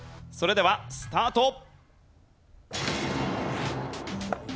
それではスタート。